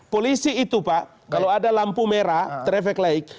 polisi itu pak kalau ada lampu merah traffic light